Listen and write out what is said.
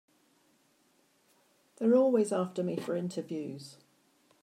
They're always after me for interviews.